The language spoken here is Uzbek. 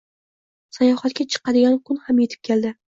Sayohatga chiqadigan kun ham etib keldi